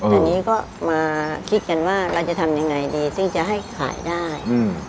อันนี้ก็มาคิดกันว่าเราจะทำยังไงดีซึ่งจะให้ขายได้